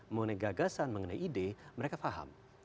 mengenai gagasan mengenai ide mereka paham